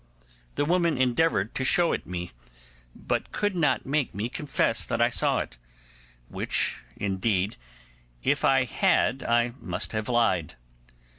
The woman endeavoured to show it me, but could not make me confess that I saw it, which, indeed, if I had I must have lied.